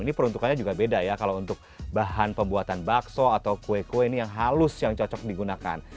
ini peruntukannya juga beda ya kalau untuk bahan pembuatan bakso atau kue kue ini yang halus yang cocok digunakan